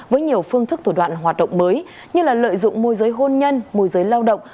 với nhiều phương thức thủ đoạn hoạt động mới như lợi dụng môi giới hôn nhân môi giới lao động